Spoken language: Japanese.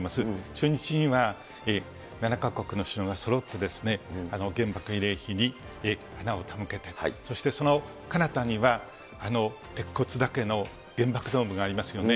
初日には７か国の首脳がそろってですね、原爆慰霊碑に花を手向けた、そして、そのかなたには、あの鉄骨だけの原爆ドームがありますよね。